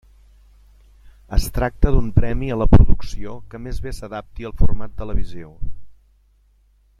Es tracta d'un premi a la producció que més bé s'adapti al format televisiu.